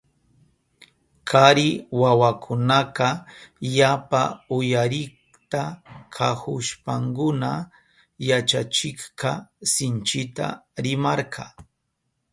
Kari wawakunaka yapa uyarikta kahushpankuna yachachikka sinchita rimarka.